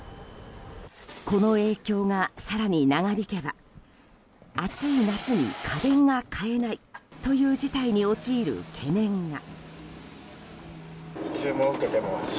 この影響が、更に長引けば暑い夏に家電が買えないという事態に陥る懸念が。